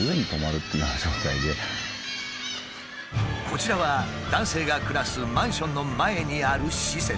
こちらは男性が暮らすマンションの前にある施設。